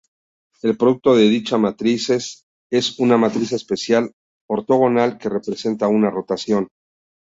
El producto de dichas matrices es una matriz especial ortogonal que representa una rotación.